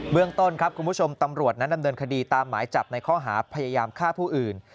เรื่องต้นครับคุณผู้ชมตำรวจนั้นดำเนินคดีตามหมายจับในข้อหาพยายามฆ่าผู้อื่น